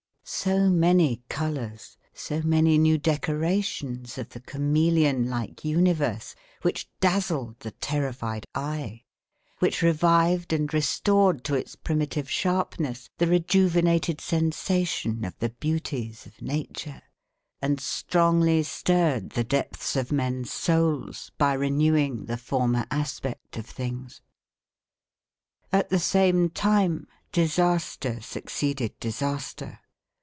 So many colours, so many new decorations of the chameleon like universe which dazzled the terrified eye, which revived and restored to its primitive sharpness the rejuvenated sensation of the beauties of nature, and strongly stirred the depths of men's souls by renewing the former aspect of things. At the same time disaster succeeded disaster.